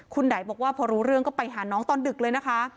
คุณไดบอกว่าพอรู้เรื่องก็ไปหาน้องตอนดึกเลยนะคะ